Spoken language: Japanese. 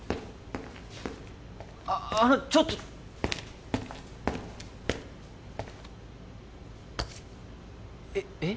あっあのちょっとえっえっ？